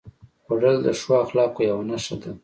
خوړل د ښو اخلاقو یوه نښه ده